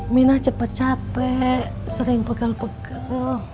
minah cepet capek sering pegel pegel